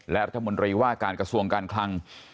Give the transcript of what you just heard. และรัฐมนตรีว่าการกระทรวงการคลัง